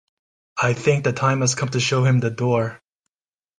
I think the time has come to show him the door.